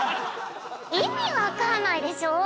意味分かんないでしょ？